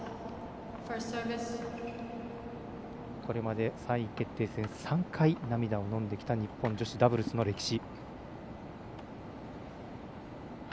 これまで３位決定戦３回、涙をのんできた日本女子ダブルスの歴史。